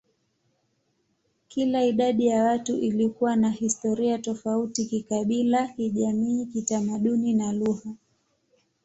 Kila idadi ya watu ilikuwa na historia tofauti kikabila, kijamii, kitamaduni, na lugha.